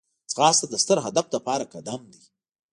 ځغاسته د ستر هدف لپاره قدم دی